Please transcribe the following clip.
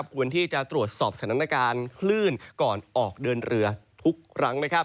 ควรที่จะตรวจสอบสถานการณ์คลื่นก่อนออกเดินเรือทุกครั้ง